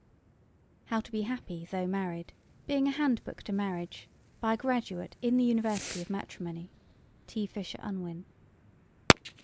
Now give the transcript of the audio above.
How to be Happy though Married: Being a Handbook to Marriage. By a Graduate in the University of Matrimony. (T. Fisher Unwin.)